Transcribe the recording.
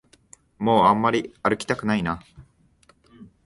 もうあんまり歩きたくないな